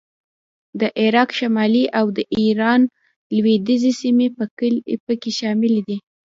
د عراق شمالي او د ایران لوېدیځې سیمې په کې شاملې دي